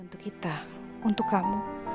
untuk kita untuk kamu